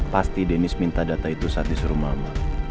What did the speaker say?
pasti deniz minta data itu saat disuruh mama